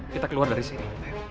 kita keluar dari sini